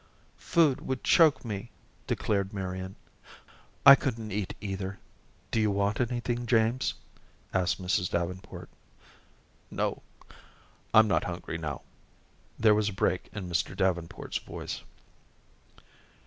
"Food would choke me," declared Marian. "I couldn't eat either. Do you want anything, James?" asked Mrs. Davenport. "No, I'm not hungry now," there was a break in Mr. Davenport's voice.